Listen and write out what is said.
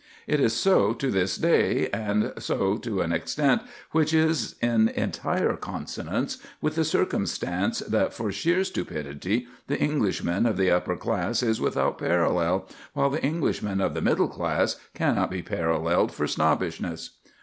It is so to this day, and so to an extent which is in entire consonance with the circumstance that for sheer stupidity the Englishman of the upper class is without parallel, while the Englishman of the middle class cannot be paralleled for snobbishness.